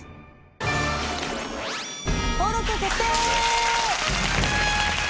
登録決定！